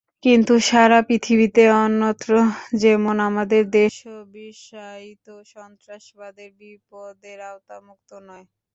কিন্তু সারা পৃথিবীতে অন্যত্র যেমন, আমাদের দেশও বিশ্বায়িত সন্ত্রাসবাদের বিপদের আওতামুক্ত নয়।